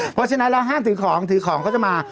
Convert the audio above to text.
เพราะฉะนั้นเราห้ามถือของถือของเขาจะมา